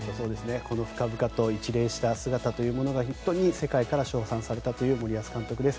深々と一礼した姿というのが世界から称賛されたという森保監督です。